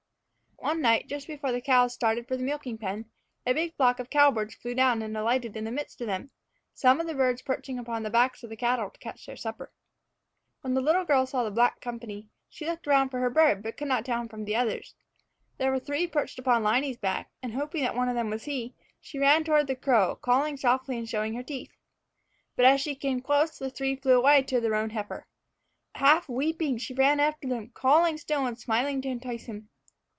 One night, just before the cows started for the milking pen, a big flock of cowbirds flew down and alighted in the midst of them, some of the birds perching upon the backs of the cattle to catch their supper. When the little girl saw the black company, she looked around for her bird, but could not tell him from the others. There were three perched upon Liney's back, and, hoping that one of them was he, she ran toward the cow, calling softly and showing her teeth. But as she came close, the three flew away to the roan heifer. Half weeping, she ran after them, calling still, and smiling to entice him.